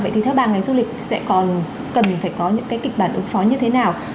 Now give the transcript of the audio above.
vậy thì theo bà ngành du lịch sẽ còn cần phải có những cái kịch bản ứng phó như thế nào